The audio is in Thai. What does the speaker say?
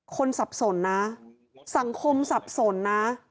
สับสนนะสังคมสับสนนะ